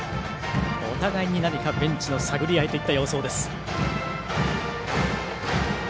お互いに何か、ベンチの探り合いといった様相です。